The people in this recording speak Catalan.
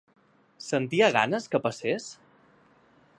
Sentia ganes que passés?